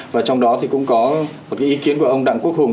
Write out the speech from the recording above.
và trong đó thì cũng có một cái ý kiến của ông đặng quốc hùng